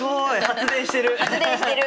発電してる。